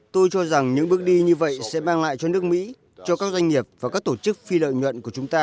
tôi cho rằng những bước đi như vậy sẽ mang lại cho nước mỹ cho các doanh nghiệp và các tổ chức phi lợi nhuận của chúng ta